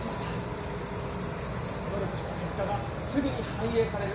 努力した結果がすぐに反映される。